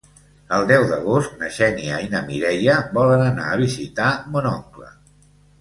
El deu d'agost na Xènia i na Mireia volen anar a visitar mon oncle.